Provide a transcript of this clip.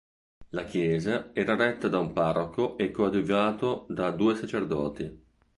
La chiesa era retta da un parroco e coadiuvato da due sacerdoti.